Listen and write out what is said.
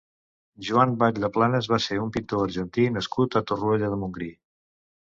Juan Batlle Planas va ser un pintor argentí nascut a Torroella de Montgrí.